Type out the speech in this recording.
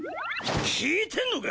聞いてんのか！